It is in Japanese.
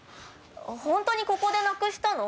本当にここでなくしたの？